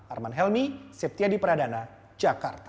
arman helmi septiadi pradana jakarta